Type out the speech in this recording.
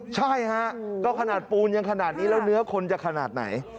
ใช่ฮะก็ขนาดปูนยังขนาดนี้แล้วเนื้อคนจะขนาดไหน